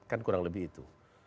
kan kurang lebih itu